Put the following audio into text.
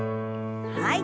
はい。